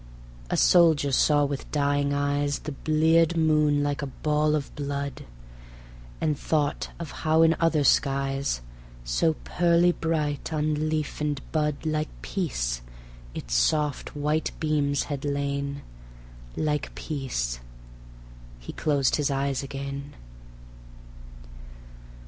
A soldier saw with dying eyes The bleared moon like a ball of blood, And thought of how in other skies, So pearly bright on leaf and bud Like peace its soft white beams had lain; Like Peace! ... He closed his eyes again.